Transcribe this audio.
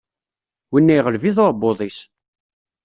Winna iɣeleb-it uɛebbuḍ-is!